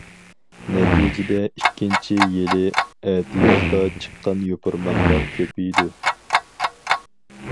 نەتىجىدە ئىككىنچى يىلى ئەتىيازدا چىققان يوپۇرماقلار كۆپىيىدۇ.